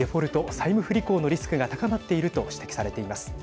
債務不履行のリスクが高まっていると指摘されています。